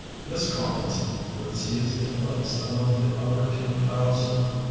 Miss Collins receives a place among the upper ten thousand.